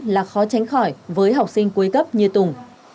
là khó tránh khỏi với học sinh cuối cấp như tùng